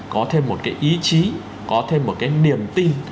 có thêm một cái ý chí có thêm một cái niềm tin